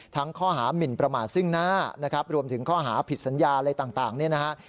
ทั้งข้อหามินประมาทซึ่งหน้านะครับรวมถึงข้อหาผิดสัญญาอะไรต่างเนี่ยนะฮะ